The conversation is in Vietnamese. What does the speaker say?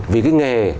vì cái nghề